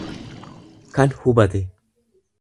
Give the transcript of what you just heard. kan hubate.